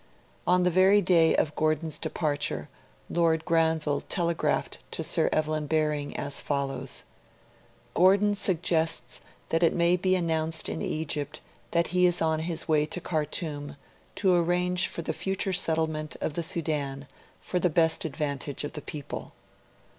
On the very day of Gordon's departure, Lord Granville telegraphed to Sir Evelyn Baring as follows: 'Gordon suggests that it may be announced in Egypt that he is on his way to Khartoum to arrange for the future settlement of the Sudan for the best advantage of the people.'